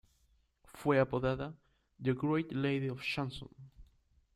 Fue apodada "The Great Lady Of Chanson".